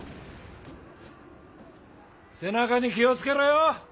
背中に気を付けろよ！